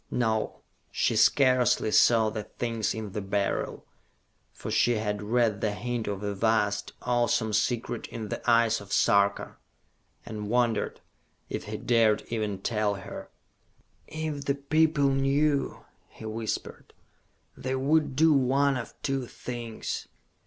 No, she scarcely saw the things in the Beryl, for she had read the hint of a vast, awesome secret in the eyes of Sarka and wondered if he dared even tell her. "If the people knew," he whispered, "they would do one of two things!